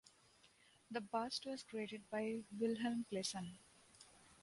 The bust was created by Vilhelm Plessen.